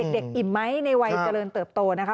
อิ่มไหมในวัยเจริญเติบโตนะคะ